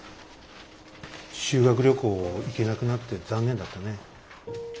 修学旅行行けなくなって残念だったね。